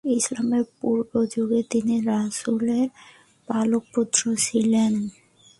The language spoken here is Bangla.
ইসলাম পূর্ব যুগে তিনি রাসূলের পালক পুত্র ছিলেন।